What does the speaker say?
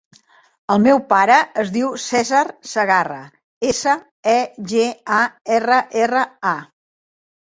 El meu pare es diu Cèsar Segarra: essa, e, ge, a, erra, erra, a.